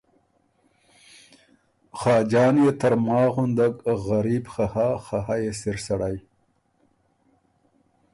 خاجان يې ترماخ غُندک غریب خه هۀ، خه هۀ يې سِر سَړئ۔